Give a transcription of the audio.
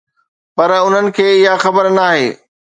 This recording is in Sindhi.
پر انهن کي اها خبر ناهي.